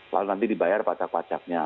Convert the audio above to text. lalu nanti dibayar pajak pajaknya